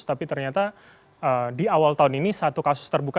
tapi ternyata di awal tahun ini satu kasus terbuka